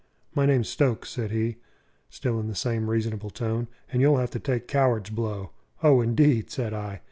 "My name's Stokes," said he, still in the same reasonable tone. "And you'll have to take coward's blow." "Oh, indeed!" said I.